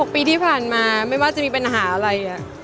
ปีที่ผ่านมาไม่ว่าจะมีปัญหาอะไร